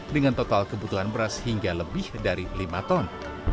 dengan total kebutuhan beras hingga lebih dari lima ton